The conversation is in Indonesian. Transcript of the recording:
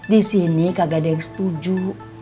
di sini kagak ada yang setuju